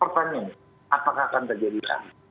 pertanyaan apakah akan terjadi lagi